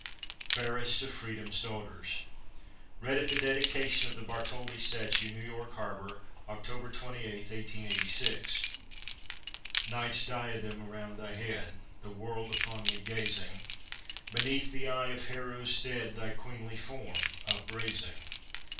FAIREST OF FREEDOM'S DAUGHTERS Read at the dedication of the Bartholdi Statue, New York Harbor, October 28, 1886 Night's diadem around thy head, The world upon thee gazing, Beneath the eye of heroes dead Thy queenly form up raising.